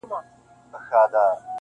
وخت سره زر دي او ته باید زرګر اوسي,